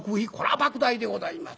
ばく大でございます。